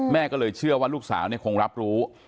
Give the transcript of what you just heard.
ก็เลยเชื่อว่าลูกสาวคงรับรู้